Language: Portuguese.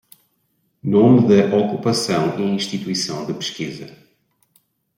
Nome da ocupação e instituição de pesquisa